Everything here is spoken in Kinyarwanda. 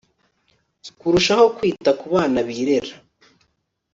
kurushaho kwita ku bana birera